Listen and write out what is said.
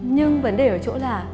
nhưng vấn đề ở chỗ là